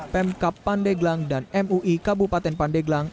pemkap pandeglang dan mui kabupaten pandeglang